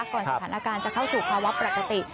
ก่อนสถานการณ์จะเข้าสู่ภาวะประกัติ